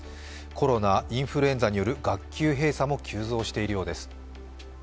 コロナ、インフルエンザによる学級閉鎖も急増しているようです。